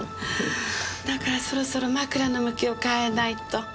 だからそろそろ枕の向きを変えないと。